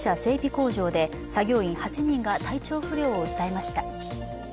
工場で作業員８人が体調不良を訴えました。